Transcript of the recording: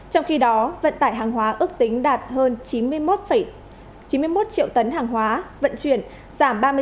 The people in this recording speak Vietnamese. trong khi đó vận tải hàng hóa ước tính đạt hơn chín mươi một triệu tấn hàng hóa vận chuyển giảm ba mươi chín ba